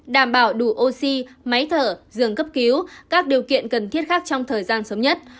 đảm bảo đủ oxy máy thở giường cấp cứu các điều kiện cần thiết khác trong thời gian sớm nhất